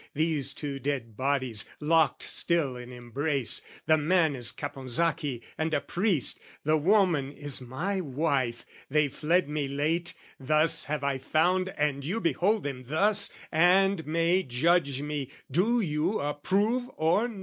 "These two dead bodies, locked still in embrace, "The man is Caponsacchi and a priest, "The woman is my wife: they fled me late, "Thus have I found and you behold them thus, "And may judge me: do you approve or no?"